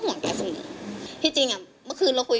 พี่ลองคิดดูสิที่พี่ไปลงกันที่ทุกคนพูด